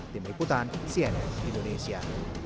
dimebutan cnn indonesia